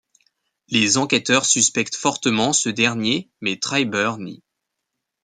Les enquêteurs suspectent fortement ce dernier mais Treiber nie.